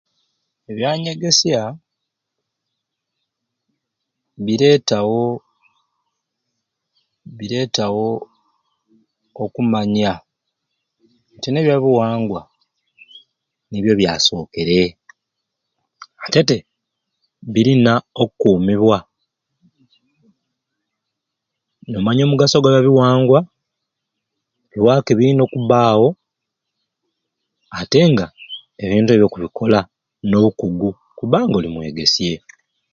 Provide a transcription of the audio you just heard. Ebyanyegesya biretawo biretawo okumanya nti n'ebyabuwanga nibyo byasokere ate te birina okumibwa nomanya omugaso gwa byabuwangwa lwaki biyina omubawo ate nga ebintu ebyo okubikola ndowo kubanga oli mwegesye